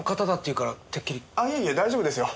いえいえ大丈夫ですよ。